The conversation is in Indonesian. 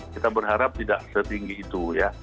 kita berharap tidak setinggi itu ya